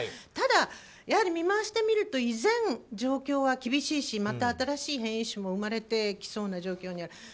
ただ、見回してみると依然、状況は厳しいしまた新しい変異種も生まれてきそうな状況にある。